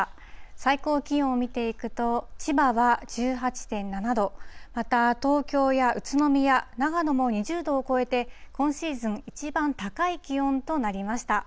最高気温を見ていくと、千葉は１８．７度、また東京や宇都宮、長野も２０度を超えて、今シーズン一番高い気温となりました。